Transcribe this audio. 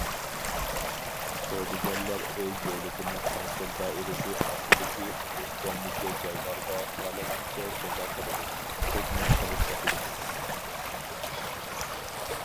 سودىگەرلەر ئۆز دۆلىتىنىڭ تەسىر دائىرىسى ئاستىدىكى مۇستەملىكە جايلاردا خالىغانچە سودا قىلىدۇ، تۆكمە قىلىپ ساتىدۇ.